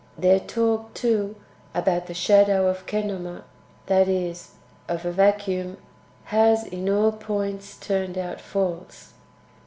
Their talk, too, about the shadow of kenoma — that is, of a vacuum — has in all points turned out false.